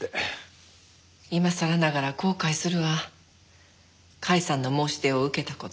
今さらながら後悔するわ甲斐さんの申し出を受けた事。